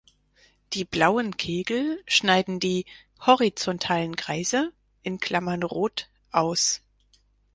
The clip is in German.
Die blauen Kegel schneiden die "horizontalen Kreise" (rot) aus.